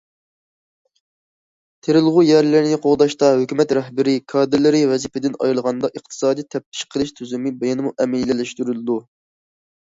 تېرىلغۇ يەرلەرنى قوغداشتا ھۆكۈمەت رەھبىرىي كادىرلىرى ۋەزىپىسىدىن ئايرىلغاندا ئىقتىسادىي تەپتىش قىلىش تۈزۈمى يەنىمۇ ئەمەلىيلەشتۈرۈلىدۇ.